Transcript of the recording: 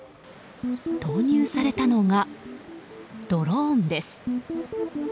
投入されたのが、ドローンです。